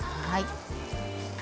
はい。